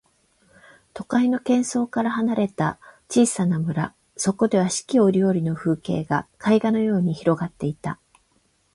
都会の喧騒から離れた小さな村、そこでは四季折々の風景が絵画のように広がっていた。